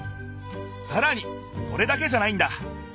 さらにそれだけじゃないんだ！